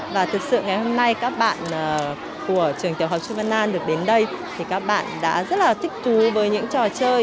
và thực sự ngày hôm nay các bạn của trường tiểu học chu văn an được đến đây thì các bạn đã rất là thích thú với những trò chơi